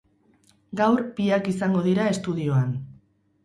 Gaur biak izango dira estudioan.